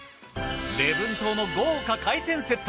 礼文島の豪華海鮮セット。